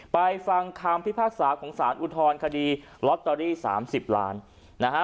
ฟังคำพิพากษาของสารอุทธรณคดีลอตเตอรี่๓๐ล้านนะฮะ